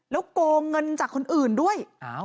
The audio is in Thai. แล้วโกงเงินจากคนอื่นด้วย